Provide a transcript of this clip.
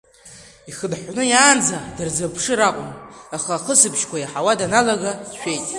Ихынҳәны иаанӡа дырзыԥшыр акәын, аха ахысбыжьқәа иаҳауа даналага, дшәеит.